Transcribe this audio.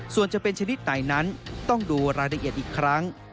ส่วนจะเป็นชนิดไหนนั้นต้องดูรายละเอียดอีกครั้ง